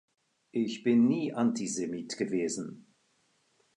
Ich bin nie Antisemit gewesen“.